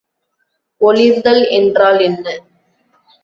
ஒளிர்தல் என்றால் என்ன?